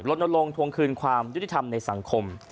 ลงทวงคืนความยุติธรรมในสังคม